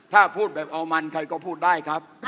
ถ้าพูดแบบเอามันใครก็พูดได้ครับ